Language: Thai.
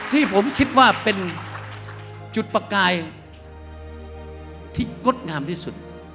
ที่ผมคิดว่าเป็นจุดประกายที่งดงามที่สุด